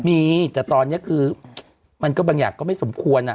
มีแต่ตอนนี้คือมันก็บางอย่างก็ไม่สมควร